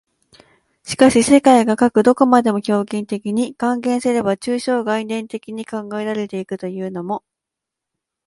しかし世界がかく何処までも表現的に、換言すれば抽象概念的に考えられて行くというのも、